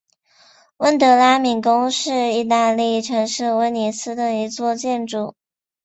温德拉敏宫是义大利城市威尼斯的一座建筑。